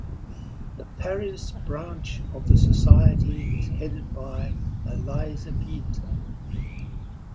The Paris branch of the Society is headed by Eliza Pieter.